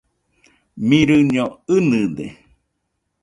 Mirɨño ɨnɨde.